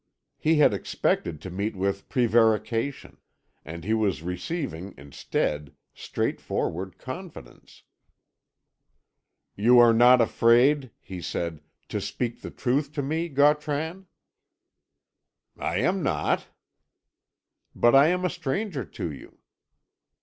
He had expected to meet with prevarication, and he was receiving, instead, straightforward confidence. "You are not afraid," he said, "to speak the truth to me, Gautran?" "I am not." "But I am a stranger to you."